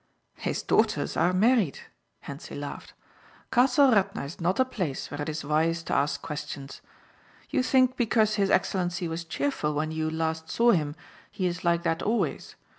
"His daughters are married." Hentzi laughed, "Castle Radna is not a place where it is wise to ask questions. You think because his excellency was cheerful when you last saw him he is like that always?